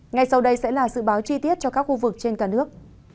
ngay sau đây sẽ là dự báo chi tiết cho các khu vực trên cả nước